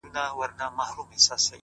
• لکه سوی لکه هوسۍ، دی هم واښه خوري ,